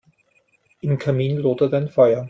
Im Kamin lodert ein Feuer.